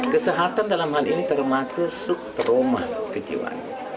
kesehatan dalam hal ini termasuk subtroma kejiwaan